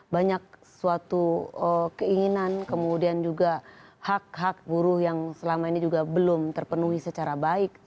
banyak suatu keinginan kemudian juga hak hak buruh yang selama ini juga belum terpenuhi secara baik